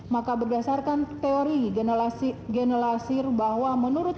maka berdasarkan teori genelasir bahwa menurut